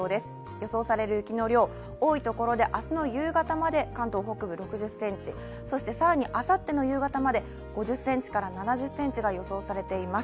予想される雪の量、多いところで明日の夕方まで関東北部６０ｃｍ、更にあさっての夕方まで、５０ｃｍから７０ｃｍが予想されています。